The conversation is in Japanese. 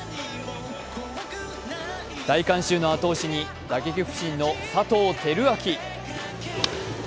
大観衆の後押しに打撃不振の佐藤輝明。